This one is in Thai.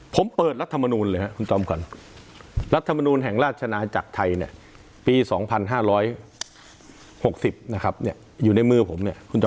ผมเปิดรัฐมนูลเลยครับคุณจอมขวัญรัฐมนูลแห่งราชนาจักรไทยปี๒๕๖๐อยู่ในมือผม